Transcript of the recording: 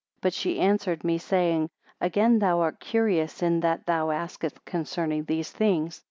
But she answered me saying; Again thou art curious in that thou asketh concerning these things.